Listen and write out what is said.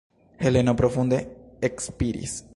Heleno profunde ekspiris.